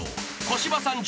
［小芝さん。